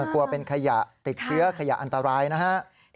กลัวเป็นขยะติดเชื้อขยะอันตรายนะครับ